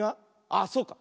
あっそうか。